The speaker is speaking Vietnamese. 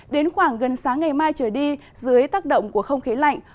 đến khoảng gần sáng ngày mai trở đi dưới tác động của không khí lạnh